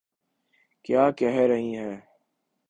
کیا کہہ رہی ہیں۔